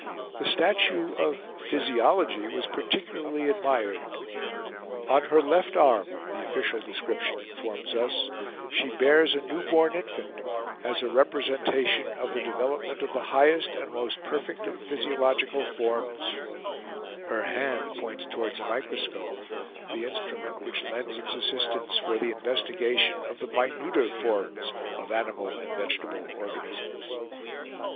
The statue of Physiology was particularly admired. "On her left arm," the official description informs us, "she bears a new born infant, as a representation of the development of the highest and most perfect of physiological forms; her hand points towards a microscope, the instrument which lends its assistance for the investigation of the minuter forms of animal and vegetable organisms."